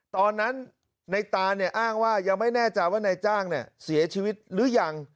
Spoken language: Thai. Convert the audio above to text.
ตอนนั้นในตาเนี่ยอ้างว่ายังไม่แน่ใจว่านายจ้างเสียชีวิตหรือยัง